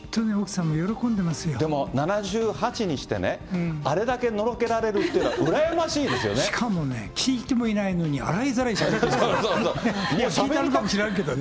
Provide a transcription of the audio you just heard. でも、７８にしてね、あれだけのろけられるっていうのはうらやましかもね、聞いてもいないのに、洗いざらいしゃべってますからね。